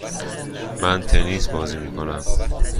من تنیس بازی میکنم.